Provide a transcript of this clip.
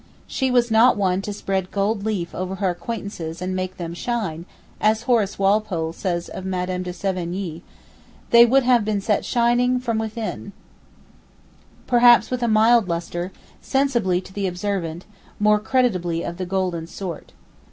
She was not one to 'spread gold leaf over her acquaintances and make them shine,' as Horace Walpole says of Madame de Sévigné; they would have been set shining from within, perhaps with a mild lustre; sensibly to the observant, more credibly of the golden sort.